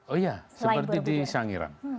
oh iya seperti di sangiran